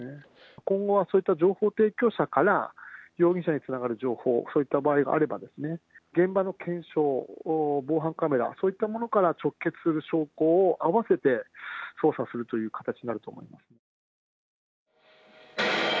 今後はそういった情報提供者から容疑者につながる情報、そういった場合があれば、現場の検証、防犯カメラ、そういったものから直結する証拠を合わせて捜査するという形になると思います。